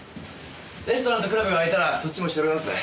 レストランとクラブが開いたらそっちも調べますね。